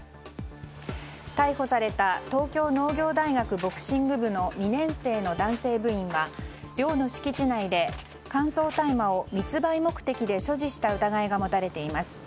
逮捕された東京農業大学ボクシング部の２年生の男性部員は寮の敷地内で乾燥大麻を密売目的で所持した疑いが持たれています。